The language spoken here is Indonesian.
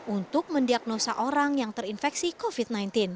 untuk mendiagnosa orang yang terinfeksi covid sembilan belas